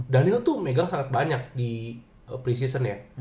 daniel tuh megang sangat banyak di preseasonnya